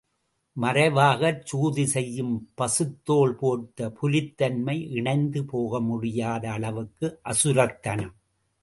மறைவாகச் சூது செய்யும் பசுத்தோல் போர்த்த புலித்தன்மை, இணைந்து போகமுடியாத அளவுக்கு அசுரத்தனம்.